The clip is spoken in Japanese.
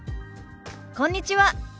こんにちは。